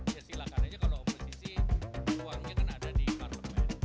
ya silakan aja kalau oposisi uangnya kan ada di parlemen